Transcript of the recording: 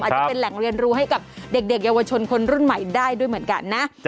จะเป็นแหล่งเรียนรู้ให้กับเด็กเยาวชนคนรุ่นใหม่ได้ด้วยเหมือนกันนะ